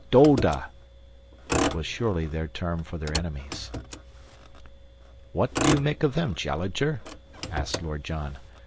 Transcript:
Doda!" which was surely their term for their enemies. "What do you make of them, Challenger?" asked Lord John.